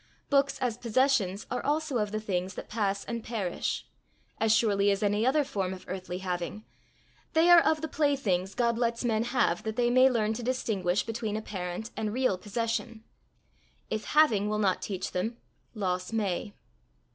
Books as possessions are also of the things that pass and perish as surely as any other form of earthly having; they are of the playthings God lets men have that they may learn to distinguish between apparent and real possession: if having will not teach them, loss may.